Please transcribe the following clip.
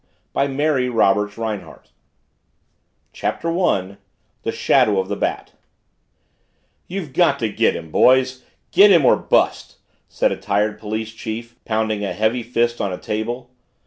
TWENTY ONE QUITE A COLLECTION THE BAT CHAPTER ONE THE SHADOW OF THE BAT "You've got to get him, boys get him or bust!" said a tired police chief, pounding a heavy fist on a table.